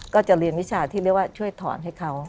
ก็จะเรียนวิชาที่เรียกว่าช่วยถอนให้เขา